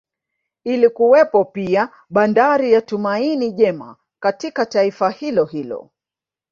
Ilikuwepo pia Bandari ya Tumaini Jema katika taifa hilo hilo